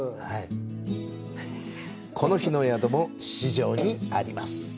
この日の宿も四条にあります。